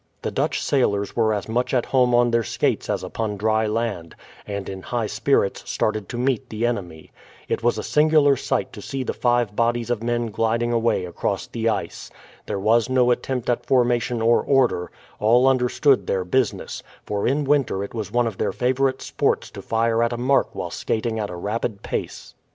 The Dutch sailors were as much at home on their skates as upon dry land, and in high spirits started to meet the enemy. It was a singular sight to see the five bodies of men gliding away across the ice. There was no attempt at formation or order; all understood their business, for in winter it was one of their favourite sports to fire at a mark while skating at a rapid pace.